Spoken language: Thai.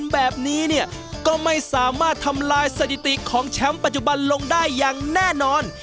แบบนี้เนี่ยก็ไม่สามารถทำลายสถิติของแชมป์ปัจจุบันลงได้อย่างแน่นอน